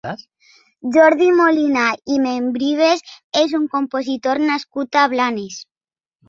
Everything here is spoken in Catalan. Jordi Molina i Membrives és un compositor nascut a Blanes.